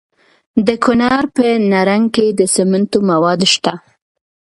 د کونړ په نرنګ کې د سمنټو مواد شته.